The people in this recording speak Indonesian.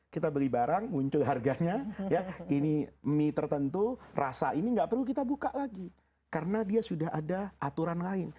kita beli barang muncul harganya ya ini mie tertentu rasa ini nggak perlu kita buka lagi karena dia sudah ada aturan lain